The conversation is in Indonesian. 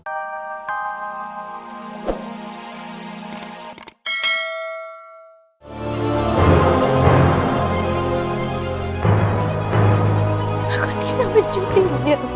aku tidak mencuri diri aku